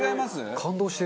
感動してる。